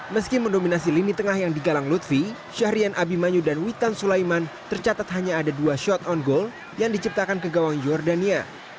meski mendominasi lini tengah yang digalang lutfi syahrian abimanyu dan witan sulaiman tercatat hanya ada dua shot on goal yang diciptakan ke gawang jordania